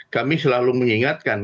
kami selalu mengingatkan